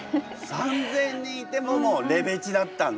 ３，０００人いてももうレベチだったんだ。